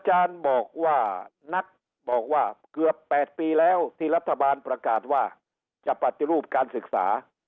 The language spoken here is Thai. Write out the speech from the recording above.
บอกว่านักบอกว่าเกือบ๘ปีแล้วที่รัฐบาลประกาศว่าจะปฏิรูปการศึกษา